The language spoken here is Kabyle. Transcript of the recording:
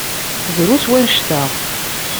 Drus wanect-a.